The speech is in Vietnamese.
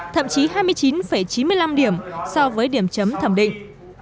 thậm chí hai mươi chín chín mươi năm điểm so với điểm chấm thẩm định